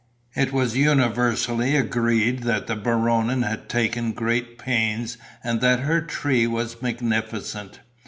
It was universally agreed that the Baronin had taken great pains and that her tree was magnificent.